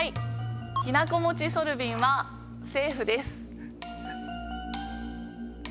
きな粉餅ソルビンはセーフです。